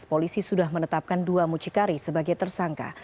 polisi sudah menetapkan dua mucikari sebagai tersangka